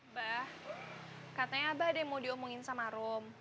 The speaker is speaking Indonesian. mbak katanya abah ada yang mau diomongin sama rum